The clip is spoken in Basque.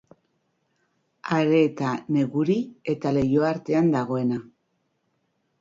Areeta, Neguri eta Leioa artean dagoena.